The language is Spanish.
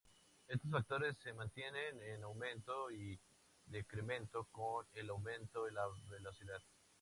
Estos factores se mantienen en aumento y decremento con el aumento en la velocidad.